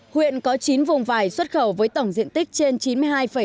huyện có chín vùng vải xuất khẩu với tổng diện tích trên chín mươi hai sáu mươi hectare